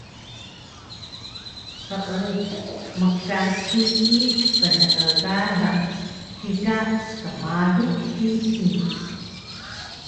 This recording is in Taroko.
Qeuqu mkan hiyi pnegalang kika skmalu hiyi